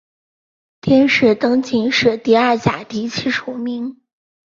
殿试登进士第二甲第七十五名。